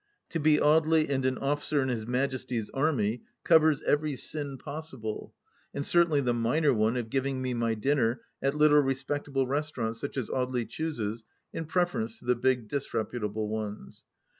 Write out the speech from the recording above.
To be Audely and an ofi&ccr in His Majesty's Army covers every sin possible, and certainly the minor one of giving me my dinner at little respectable restaurants such as Audely chooses in preference to the big disreputable ones.